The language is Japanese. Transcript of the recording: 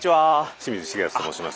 清水重敦と申します。